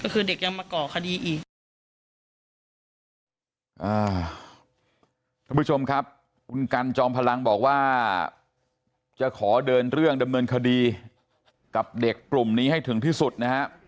คุณกัลจอมพลังบอกว่าจะขอเดินเรื่องดำเนินคดีกับเด็กกลุ่มนี้ให้ถึงที่สุดนะครับ